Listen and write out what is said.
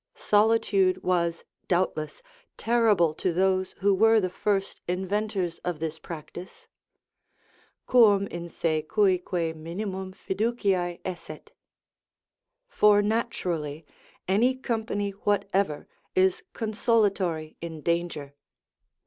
Solitude was, doubtless, terrible to those who were the first inventors of this practice: "Quum in se cuique minimum fiduciae esset," for naturally any company whatever is consolatory in danger.